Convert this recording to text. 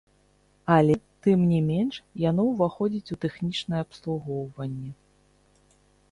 Але, тым не менш, яно ўваходзіць у тэхнічнае абслугоўванне!